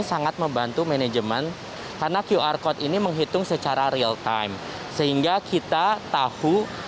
sangat membantu manajemen karena qr code ini menghitung secara real time sehingga kita tahu